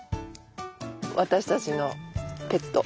私たちのペット。